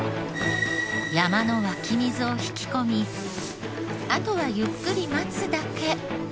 山の湧き水を引き込みあとはゆっくり待つだけと思いきや。